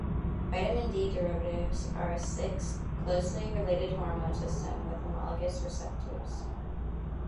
Vitamin D derivatives are a sixth closely related hormone system with homologous receptors.